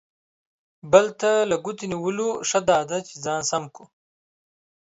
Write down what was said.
بل ته له ګوتې نیولو، ښه دا ده چې ځان سم کړو.